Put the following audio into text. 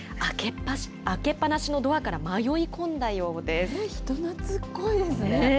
開けっ放しのドアから迷い込んだ人なつっこいですね。